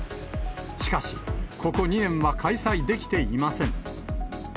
しかし、ここ２年は開催できていません。